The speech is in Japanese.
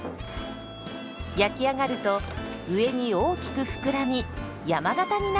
焼き上がると上に大きく膨らみ山型になるんです。